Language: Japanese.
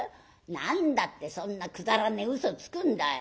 何だってそんなくだらねえうそつくんだい。